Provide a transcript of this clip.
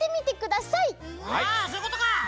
あそういうことか！